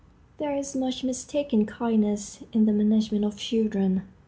There is much mistaken kindness in the management of children.